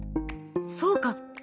そうか！